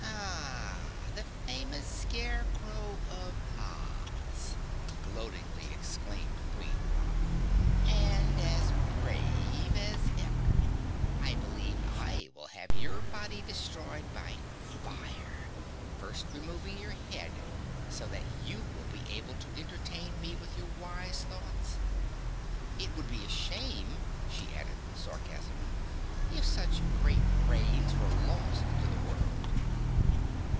"Ah! The famous Scarecrow of Oz!" gloatingly exclaimed Queen Ra. "And as brave as ever! I believe I will have your body destroyed by fire, first removing your head so that you will be able to entertain me with your wise thoughts. It would be a shame," she added with sarcasm, "if such great brains were lost to the world."